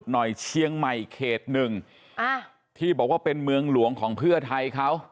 เชียงใหม่เขตหนึ่งอ่าที่บอกว่าเป็นเมืองหลวงของเพื่อไทยเขา